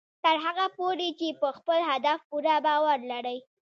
تر هغه پورې چې په خپل هدف پوره باور لرئ